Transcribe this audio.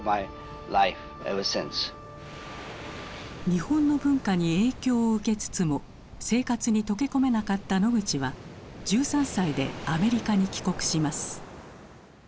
日本の文化に影響を受けつつも生活に溶け込めなかったノグチは１３歳でアメリカに帰国します。